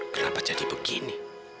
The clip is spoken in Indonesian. kenapa jadi begini